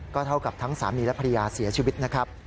เท่ากับทั้งสามีและภรรยาเสียชีวิตนะครับ